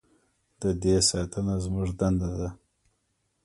د دې ساتنه زموږ دنده ده؟